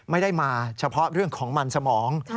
ไม่ได้มาเฉพาะเรื่องของมันสมอง